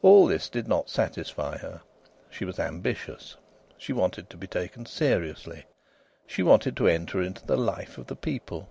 All this did not satisfy her. She was ambitious! She wanted to be taken seriously. She wanted to enter into the life of the people.